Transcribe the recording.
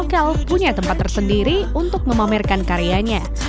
banyuwangi desainer lokal punya tempat tersendiri untuk memamerkan karyanya